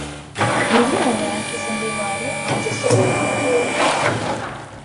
Gelin olmayan kızın vebali amcası oğlunun boynuna.